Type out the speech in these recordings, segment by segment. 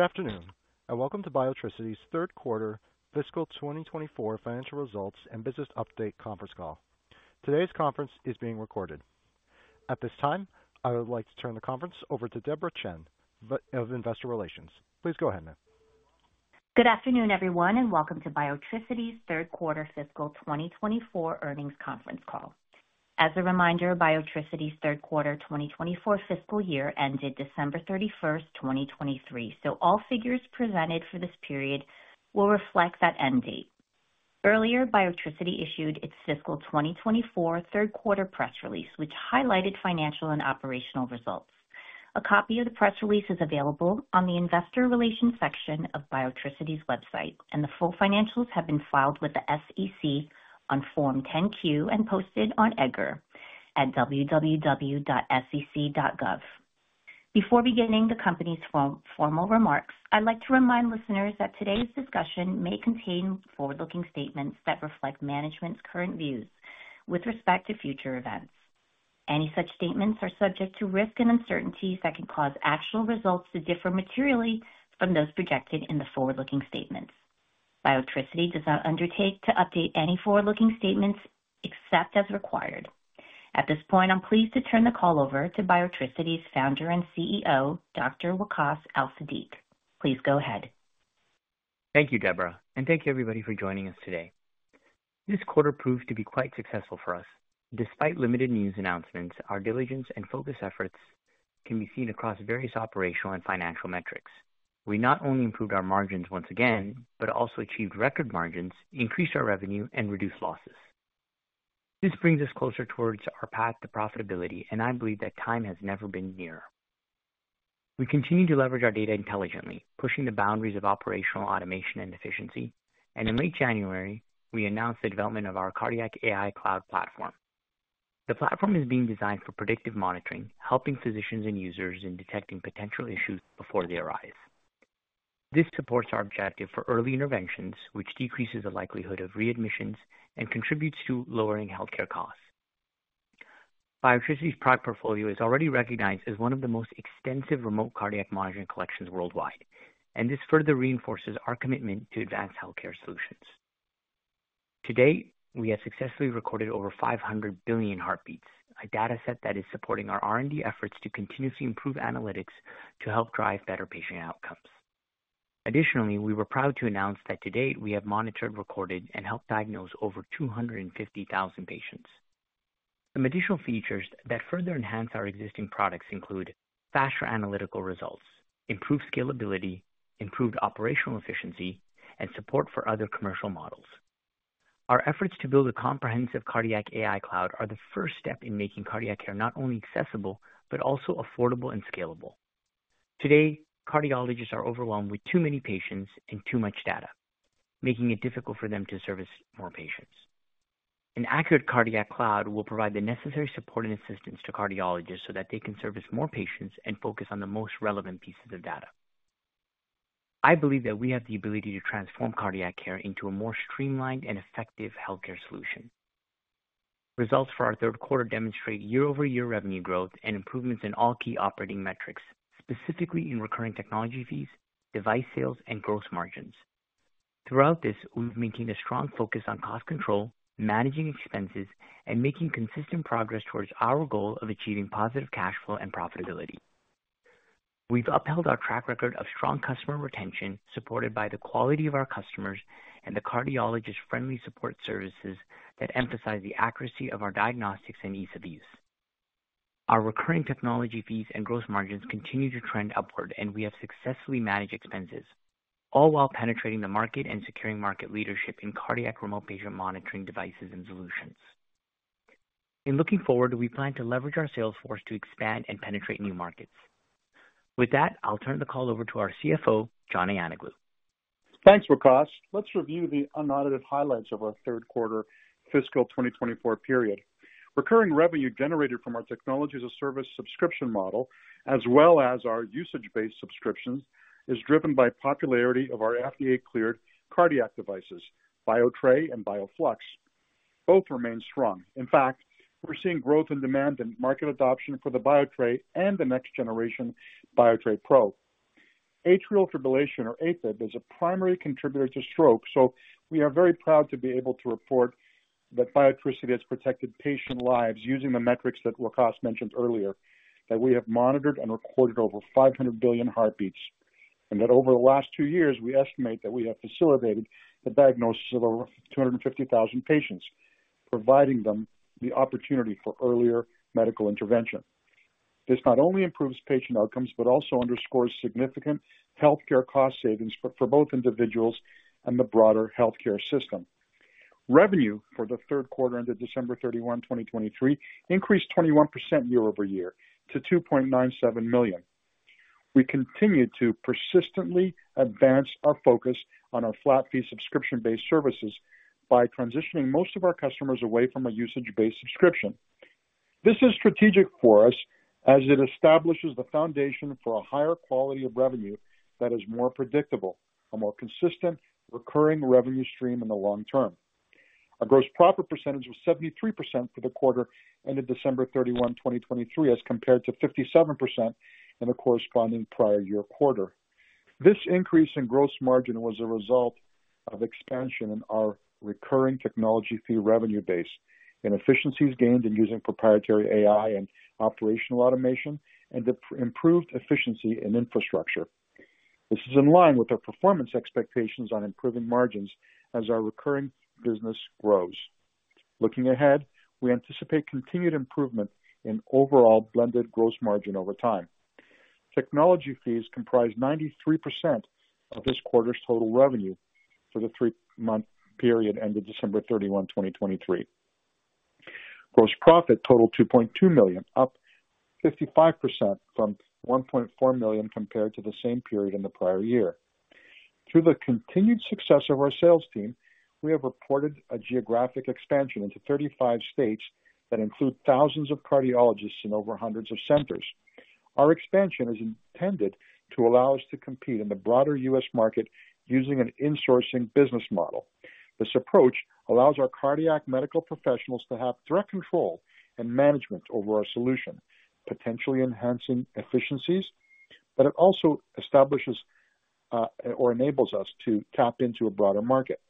Good afternoon and Welcome to Biotricity's Third Quarter Fiscal 2024 Financial Results and Business Update Conference Call. Today's conference is being recorded. At this time, I would like to turn the conference over to Debra Chen of Investor Relations. Please go ahead, ma'am. Good afternoon, everyone, and Welcome to Biotricity's Third Quarter Fiscal 2024 Earnings Conference Call. As a reminder, Biotricity's third quarter 2024 fiscal year ended December 31st, 2023, so all figures presented for this period will reflect that end date. Earlier, Biotricity issued its fiscal 2024 third quarter press release, which highlighted financial and operational results. A copy of the press release is available on the Investor Relations section of Biotricity's website, and the full financials have been filed with the SEC on Form 10-Q and posted on EDGAR at www.sec.gov. Before beginning the company's formal remarks, I'd like to remind listeners that today's discussion may contain forward-looking statements that reflect management's current views with respect to future events. Any such statements are subject to risk and uncertainties that can cause actual results to differ materially from those projected in the forward-looking statements. Biotricity does not undertake to update any forward-looking statements except as required. At this point, I'm pleased to turn the call over to Biotricity's Founder and CEO, Dr. Waqaas Al-Siddiq. Please go ahead. Thank you, Debra, and thank you, everybody, for joining us today. This quarter proved to be quite successful for us. Despite limited news announcements, our diligence and focus efforts can be seen across various operational and financial metrics. We not only improved our margins once again but also achieved record margins, increased our revenue, and reduced losses. This brings us closer towards our path to profitability, and I believe that time has never been near. We continue to leverage our data intelligently, pushing the boundaries of operational automation and efficiency, and in late January, we announced the development of our Cardiac AI Cloud platform. The platform is being designed for predictive monitoring, helping physicians and users in detecting potential issues before they arise. This supports our objective for early interventions, which decreases the likelihood of readmissions and contributes to lowering healthcare costs. Biotricity's product portfolio is already recognized as one of the most extensive remote cardiac monitoring collections worldwide, and this further reinforces our commitment to advanced healthcare solutions. To date, we have successfully recorded over 500 billion heartbeats, a dataset that is supporting our R&D efforts to continuously improve analytics to help drive better patient outcomes. Additionally, we were proud to announce that to date, we have monitored, recorded, and helped diagnose over 250,000 patients. Some additional features that further enhance our existing products include faster analytical results, improved scalability, improved operational efficiency, and support for other commercial models. Our efforts to build a comprehensive Cardiac AI Cloud are the first step in making cardiac care not only accessible but also affordable and scalable. Today, cardiologists are overwhelmed with too many patients and too much data, making it difficult for them to service more patients. The Cardiac AI Cloud will provide the necessary support and assistance to cardiologists so that they can service more patients and focus on the most relevant pieces of data. I believe that we have the ability to transform cardiac care into a more streamlined and effective healthcare solution. Results for our third quarter demonstrate year-over-year revenue growth and improvements in all key operating metrics, specifically in recurring technology fees, device sales, and gross margins. Throughout this, we've maintained a strong focus on cost control, managing expenses, and making consistent progress towards our goal of achieving positive cash flow and profitability. We've upheld our track record of strong customer retention supported by the quality of our customers and the cardiologist-friendly support services that emphasize the accuracy of our diagnostics and ease of use. Our recurring technology fees and gross margins continue to trend upward, and we have successfully managed expenses, all while penetrating the market and securing market leadership in cardiac remote patient monitoring devices and solutions. In looking forward, we plan to leverage our sales force to expand and penetrate new markets. With that, I'll turn the call over to our CFO, John Ayanoglou. Thanks, Waqaas. Let's review the unaudited highlights of our third quarter fiscal 2024 period. Recurring revenue generated from our technology-as-a-service subscription model, as well as our usage-based subscriptions, is driven by popularity of our FDA-cleared cardiac devices, Biotres and Bioflux. Both remain strong. In fact, we're seeing growth in demand and market adoption for the Biotres and the next generation Biotres Pro. Atrial fibrillation, or AFib, is a primary contributor to stroke, so we are very proud to be able to report that Biotricity has protected patient lives using the metrics that Waqaas mentioned earlier, that we have monitored and recorded over 500 billion heartbeats, and that over the last two years, we estimate that we have facilitated the diagnosis of over 250,000 patients, providing them the opportunity for earlier medical intervention. This not only improves patient outcomes but also underscores significant healthcare cost savings for both individuals and the broader healthcare system. Revenue for the third quarter ended December 31, 2023, increased 21% year-over-year to $2.97 million. We continue to persistently advance our focus on our flat-fee subscription-based services by transitioning most of our customers away from a usage-based subscription. This is strategic for us as it establishes the foundation for a higher quality of revenue that is more predictable, a more consistent recurring revenue stream in the long term. Our gross profit percentage was 73% for the quarter ended December 31, 2023, as compared to 57% in the corresponding prior-year quarter. This increase in gross margin was a result of expansion in our recurring technology fee revenue base, inefficiencies gained in using proprietary AI and operational automation, and improved efficiency in infrastructure. This is in line with our performance expectations on improving margins as our recurring business grows. Looking ahead, we anticipate continued improvement in overall blended gross margin over time. Technology fees comprise 93% of this quarter's total revenue for the three-month period ended December 31, 2023. Gross profit totaled $2.2 million, up 55% from $1.4 million compared to the same period in the prior year. Through the continued success of our sales team, we have reported a geographic expansion into 35 states that include thousands of cardiologists in over hundreds of centers. Our expansion is intended to allow us to compete in the broader U.S. market using an insourcing business model. This approach allows our cardiac medical professionals to have direct control and management over our solution, potentially enhancing efficiencies, but it also establishes or enables us to tap into a broader market.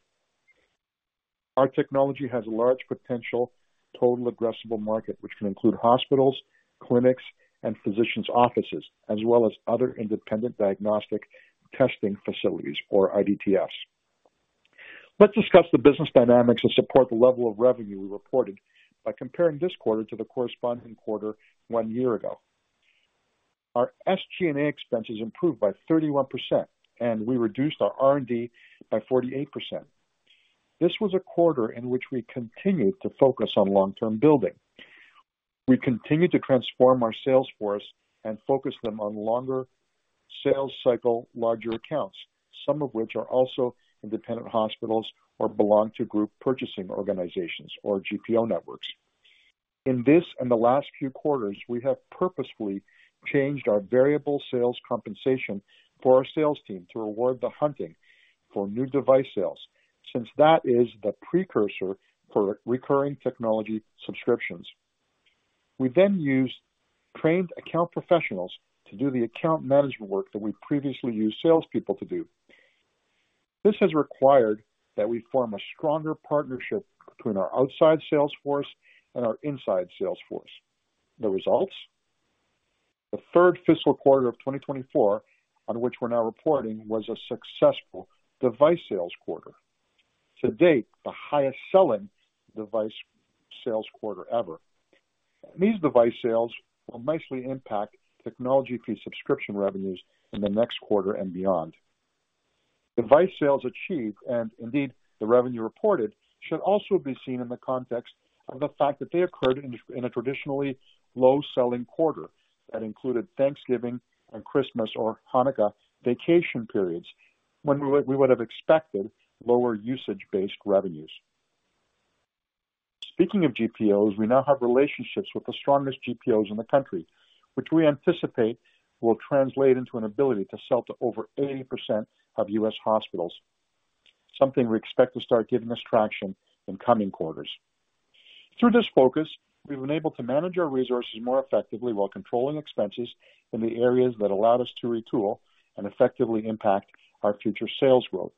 Our technology has a large potential total addressable market, which can include hospitals, clinics, and physicians' offices, as well as other independent diagnostic testing facilities, or IDTFs. Let's discuss the business dynamics that support the level of revenue we reported by comparing this quarter to the corresponding quarter one year ago. Our SG&A expenses improved by 31%, and we reduced our R&D by 48%. This was a quarter in which we continued to focus on long-term building. We continued to transform our sales force and focus them on longer sales cycle, larger accounts, some of which are also independent hospitals or belong to group purchasing organizations, or GPO networks. In this and the last few quarters, we have purposefully changed our variable sales compensation for our sales team to reward the hunting for new device sales, since that is the precursor for recurring technology subscriptions. We then used trained account professionals to do the account management work that we previously used salespeople to do. This has required that we form a stronger partnership between our outside sales force and our inside sales force. The results? The third fiscal quarter of 2024, on which we're now reporting, was a successful device sales quarter. To date, the highest-selling device sales quarter ever. These device sales will nicely impact technology fee subscription revenues in the next quarter and beyond. Device sales achieved, and indeed, the revenue reported, should also be seen in the context of the fact that they occurred in a traditionally low-selling quarter that included Thanksgiving and Christmas or Hanukkah vacation periods, when we would have expected lower usage-based revenues. Speaking of GPOs, we now have relationships with the strongest GPOs in the country, which we anticipate will translate into an ability to sell to over 80% of U.S. hospitals, something we expect to start giving us traction in coming quarters. Through this focus, we've been able to manage our resources more effectively while controlling expenses in the areas that allowed us to retool and effectively impact our future sales growth.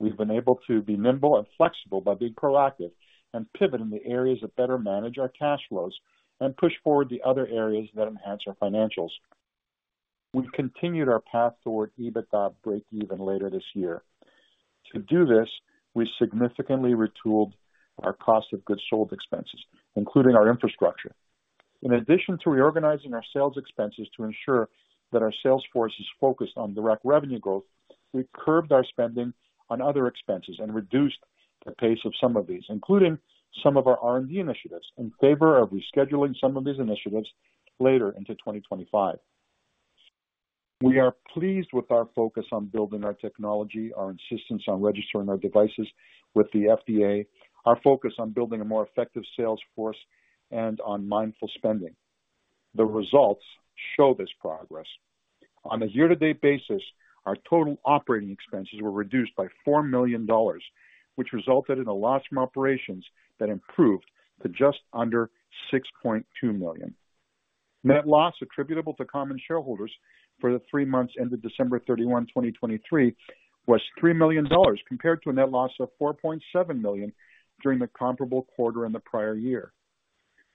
We've been able to be nimble and flexible by being proactive and pivot in the areas that better manage our cash flows and push forward the other areas that enhance our financials. We've continued our path toward EBITDA break-even later this year. To do this, we significantly retooled our cost of goods sold expenses, including our infrastructure. In addition to reorganizing our sales expenses to ensure that our sales force is focused on direct revenue growth, we curbed our spending on other expenses and reduced the pace of some of these, including some of our R&D initiatives, in favor of rescheduling some of these initiatives later into 2025. We are pleased with our focus on building our technology, our insistence on registering our devices with the FDA, our focus on building a more effective sales force, and on mindful spending. The results show this progress. On a year-to-date basis, our total operating expenses were reduced by $4 million, which resulted in a loss from operations that improved to just under $6.2 million. Net loss attributable to common shareholders for the three months ended December 31, 2023, was $3 million compared to a net loss of $4.7 million during the comparable quarter in the prior year.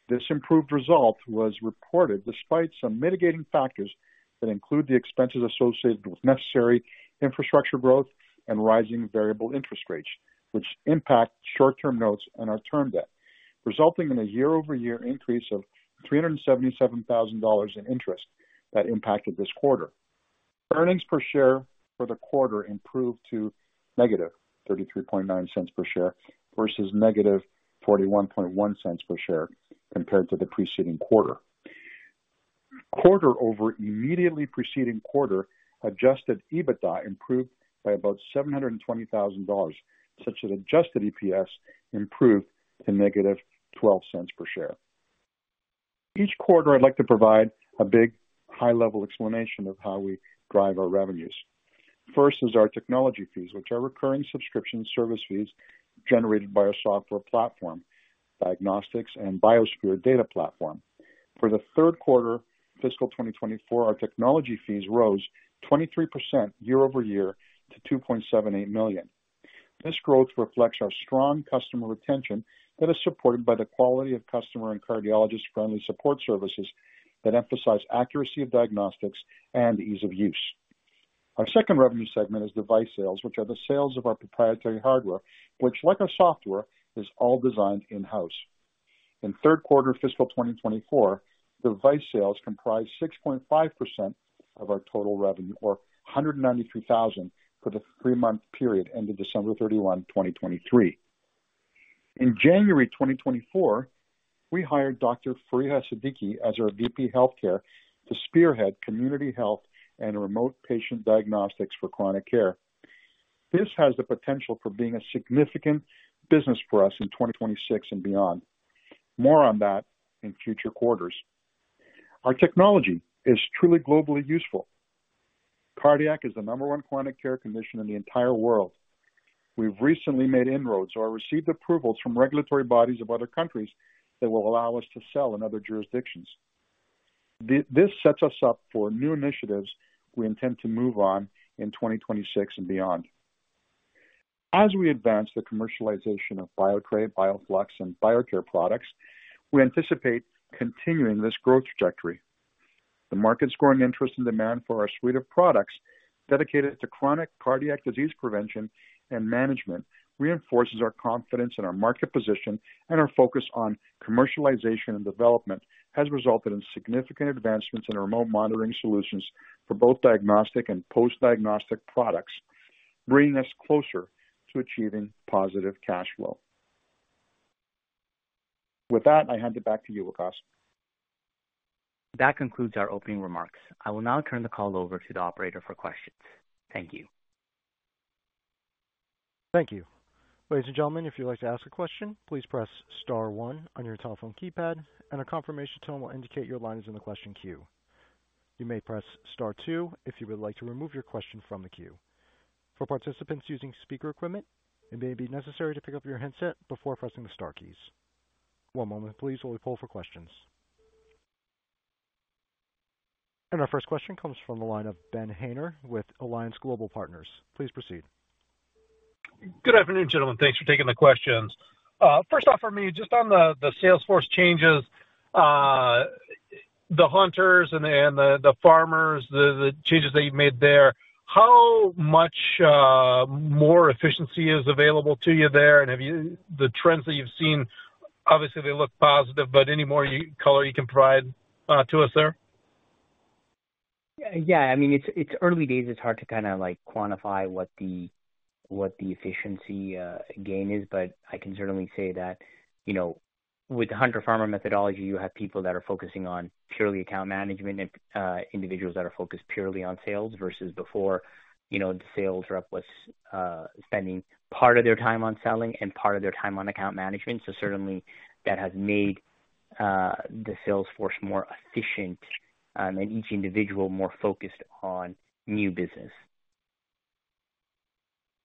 This improved result was reported despite some mitigating factors that include the expenses associated with necessary infrastructure growth and rising variable interest rates, which impact short-term notes and our term debt, resulting in a year-over-year increase of $377,000 in interest that impacted this quarter. Earnings per share for the quarter improved to -$0.339 per share versus -$0.411 per share compared to the preceding quarter. Quarter over immediately preceding quarter, adjusted EBITDA improved by about $720,000, such that adjusted EPS improved to -$0.12 per share. Each quarter, I'd like to provide a big, high-level explanation of how we drive our revenues. First is our technology fees, which are recurring subscription service fees generated by our software platform, Diagnostics and Biosphere Data Platform. For the third quarter fiscal 2024, our technology fees rose 23% year-over-year to $2.78 million. This growth reflects our strong customer retention that is supported by the quality of customer and cardiologist-friendly support services that emphasize accuracy of diagnostics and ease of use. Our second revenue segment is device sales, which are the sales of our proprietary hardware, which, like our software, is all designed in-house. In third quarter fiscal 2024, device sales comprised 6.5% of our total revenue, or $193,000 for the three-month period ended December 31, 2023. In January 2024, we hired Dr. Fareeha Siddiqui as our VP Healthcare to spearhead community health and remote patient diagnostics for chronic care. This has the potential for being a significant business for us in 2026 and beyond. More on that in future quarters. Our technology is truly globally useful. Cardiac is the number one chronic care condition in the entire world. We've recently made inroads or received approvals from regulatory bodies of other countries that will allow us to sell in other jurisdictions. This sets us up for new initiatives we intend to move on in 2026 and beyond. As we advance the commercialization of Biotres, Bioflux, and Biocare products, we anticipate continuing this growth trajectory. The market's growing interest and demand for our suite of products dedicated to chronic cardiac disease prevention and management reinforces our confidence in our market position, and our focus on commercialization and development has resulted in significant advancements in remote monitoring solutions for both diagnostic and post-diagnostic products, bringing us closer to achieving positive cash flow. With that, I hand it back to you, Waqaas. That concludes our opening remarks. I will now turn the call over to the operator for questions. Thank you. Thank you. Ladies and gentlemen, if you'd like to ask a question, please press star 1 on your telephone keypad, and a confirmation tone will indicate your line is in the question queue. You may press star 2 if you would like to remove your question from the queue. For participants using speaker equipment, it may be necessary to pick up your headset before pressing the star keys. One moment, please, while we pull for questions. And our first question comes from the line of Ben Haynor with Alliance Global Partners. Please proceed. Good afternoon, gentlemen. Thanks for taking the questions. First off, for me, just on the sales force changes, the hunters and the farmers, the changes that you've made there, how much more efficiency is available to you there, and have you the trends that you've seen, obviously, they look positive, but any more color you can provide to us there? Yeah. I mean, it's early days. It's hard to kind of quantify what the efficiency gain is, but I can certainly say that with the hunter-farmer methodology, you have people that are focusing on purely account management and individuals that are focused purely on sales versus before, the sales rep was spending part of their time on selling and part of their time on account management. So certainly, that has made the sales force more efficient and each individual more focused on new business.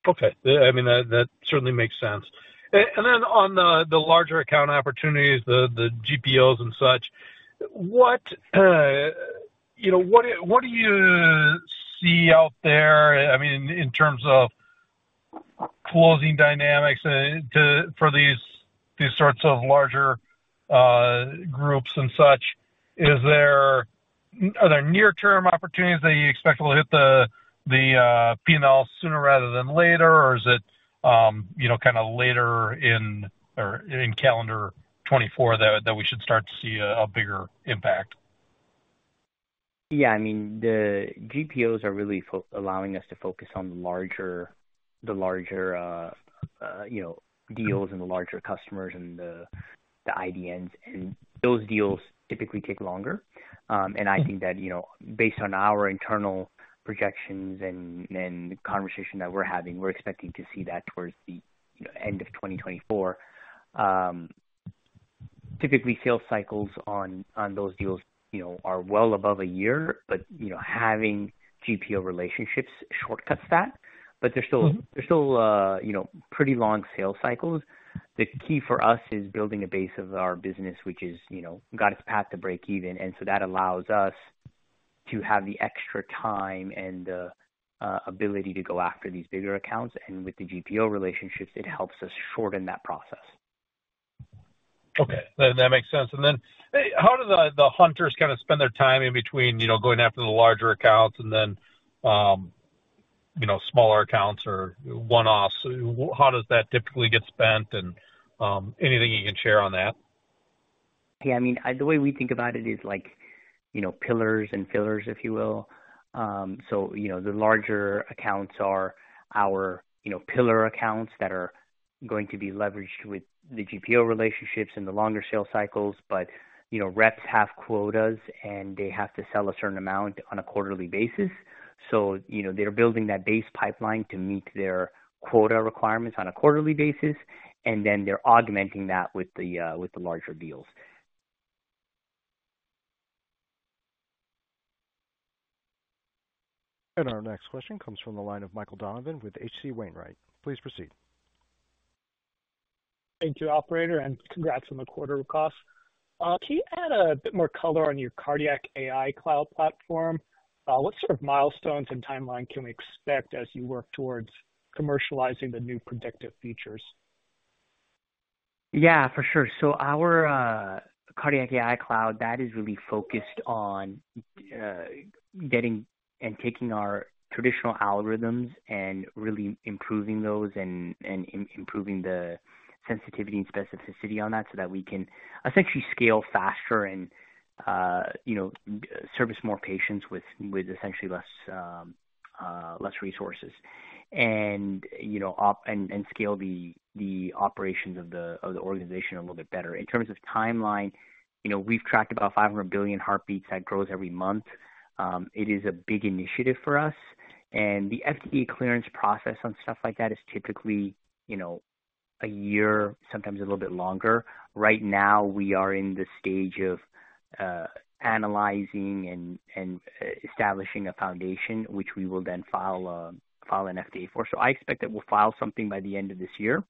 Okay. I mean, that certainly makes sense. And then on the larger account opportunities, the GPOs and such, what do you see out there? I mean, in terms of closing dynamics for these sorts of larger groups and such, are there near-term opportunities that you expect will hit the P&L sooner rather than later, or is it kind of later in calendar 2024 that we should start to see a bigger impact? Yeah. I mean, the GPOs are really allowing us to focus on the larger deals and the larger customers and the IDNs. Those deals typically take longer. I think that based on our internal projections and the conversation that we're having, we're expecting to see that towards the end of 2024. Typically, sales cycles on those deals are well above a year, but having GPO relationships shortcuts that. They're still pretty long sales cycles. The key for us is building a base of our business, which has got its path to break even. So that allows us to have the extra time and the ability to go after these bigger accounts. With the GPO relationships, it helps us shorten that process. Okay. That makes sense. Then how do the hunters kind of spend their time in between going after the larger accounts and then smaller accounts or one-offs? How does that typically get spent? Anything you can share on that? Yeah. I mean, the way we think about it is pillars and fillers, if you will. So the larger accounts are our pillar accounts that are going to be leveraged with the GPO relationships and the longer sales cycles. But reps have quotas, and they have to sell a certain amount on a quarterly basis. So they're building that base pipeline to meet their quota requirements on a quarterly basis, and then they're augmenting that with the larger deals. Our next question comes from the line of Michael Donovan with H.C. Wainwright. Please proceed. Thank you, operator, and congrats on the quarter, Waqaas. Can you add a bit more color on your Cardiac AI Cloud platform? What sort of milestones and timeline can we expect as you work towards commercializing the new predictive features? Yeah, for sure. So our Cardiac AI Cloud, that is really focused on getting and taking our traditional algorithms and really improving those and improving the sensitivity and specificity on that so that we can essentially scale faster and service more patients with essentially less resources and scale the operations of the organization a little bit better. In terms of timeline, we've tracked about 500 billion heartbeats that grows every month. It is a big initiative for us. And the FDA clearance process on stuff like that is typically a year, sometimes a little bit longer. Right now, we are in the stage of analyzing and establishing a foundation, which we will then file an FDA for. So I expect that we'll file something by the end of this year,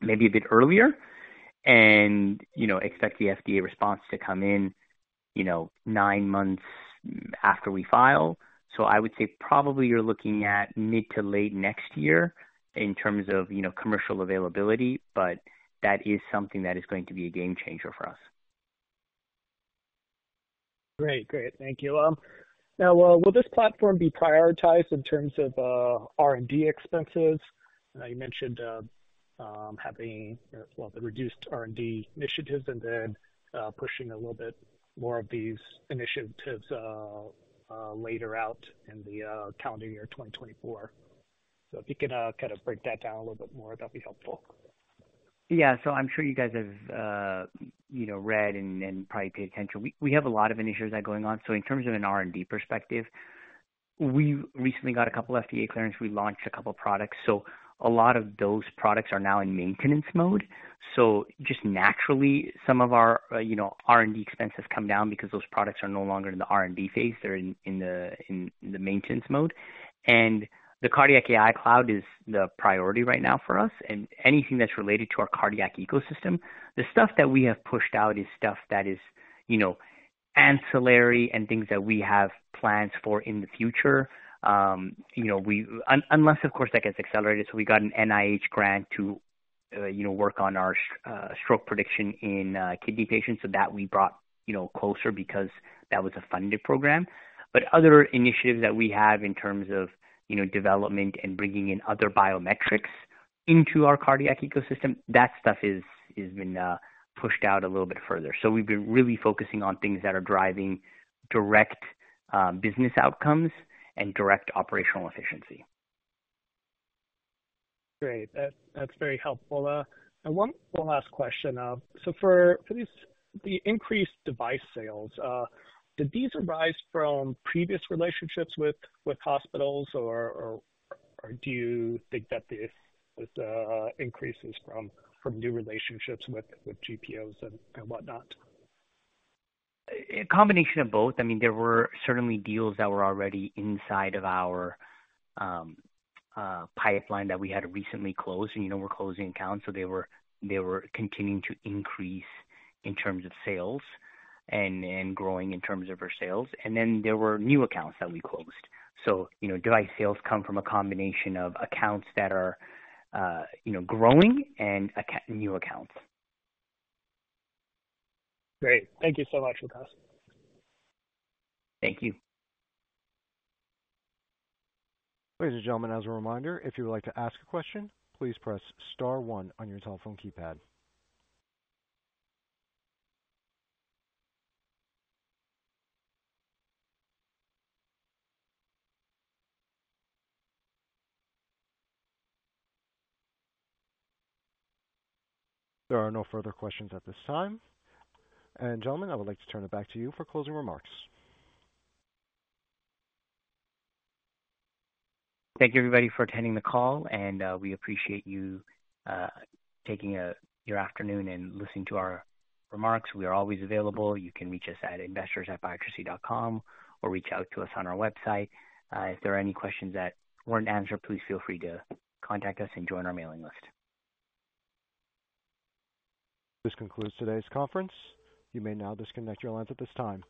maybe a bit earlier, and expect the FDA response to come in nine months after we file. I would say probably you're looking at mid to late next year in terms of commercial availability, but that is something that is going to be a game changer for us. Great. Great. Thank you. Now, will this platform be prioritized in terms of R&D expenses? You mentioned having the reduced R&D initiatives and then pushing a little bit more of these initiatives later out in the calendar year 2024. So if you can kind of break that down a little bit more, that'd be helpful. Yeah. So I'm sure you guys have read and probably paid attention. We have a lot of initiatives that are going on. So in terms of an R&D perspective, we recently got a couple of FDA clearances. We launched a couple of products. So a lot of those products are now in maintenance mode. So just naturally, some of our R&D expenses come down because those products are no longer in the R&D phase. They're in the maintenance mode. And the Cardiac AI Cloud is the priority right now for us and anything that's related to our cardiac ecosystem. The stuff that we have pushed out is stuff that is ancillary and things that we have plans for in the future, unless, of course, that gets accelerated. So we got an NIH grant to work on our stroke prediction in kidney patients. So that we brought closer because that was a funded program. But other initiatives that we have in terms of development and bringing in other biometrics into our cardiac ecosystem, that stuff has been pushed out a little bit further. So we've been really focusing on things that are driving direct business outcomes and direct operational efficiency. Great. That's very helpful. And one last question. So for the increased device sales, did these arise from previous relationships with hospitals, or do you think that this increase is from new relationships with GPOs and whatnot? A combination of both. I mean, there were certainly deals that were already inside of our pipeline that we had recently closed. We're closing accounts, so they were continuing to increase in terms of sales and growing in terms of our sales. There were new accounts that we closed. Device sales come from a combination of accounts that are growing and new accounts. Great. Thank you so much, Waqaas. Thank you. Ladies and gentlemen, as a reminder, if you would like to ask a question, please press star one on your telephone keypad. There are no further questions at this time. Gentlemen, I would like to turn it back to you for closing remarks. Thank you, everybody, for attending the call. We appreciate you taking your afternoon and listening to our remarks. We are always available. You can reach us at investors@biotricity.com or reach out to us on our website. If there are any questions that weren't answered, please feel free to contact us and join our mailing list. This concludes today's conference. You may now disconnect your lines at this time.